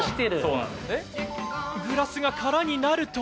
グラスが空になると。